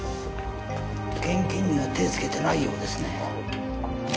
現金には手をつけてないようですね。